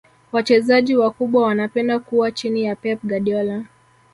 wachezaji wakubwa wanapenda kuwa chini ya pep guardiola